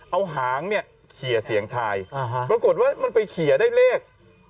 เอาหางเนี่ยเขียเสียงทายปรากฏว่ามันไปเขียได้เลข